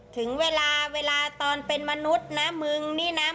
ถึงเวลาเวลาตอนเป็นมนุษย์นะมึงนี่นะ